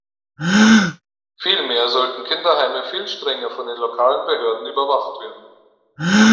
Vielmehr sollten Kinderheime viel strenger von den lokalen Behörden überwacht werden.